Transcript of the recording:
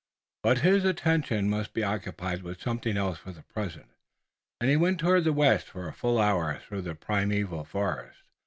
But his attention must be occupied with something else for the present, and he went toward the west for a full hour through the primeval forest.